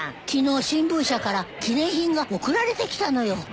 昨日新聞社から記念品が送られてきたのよ。